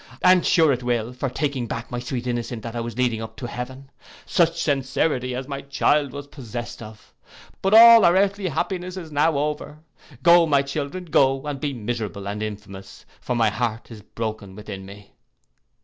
And sure it will, for taking back my sweet innocent that I was leading up to heaven. Such sincerity as my child was possest of. But all our earthly happiness is now over! Go, my children, go, and be miserable and infamous; for my heart is broken within me!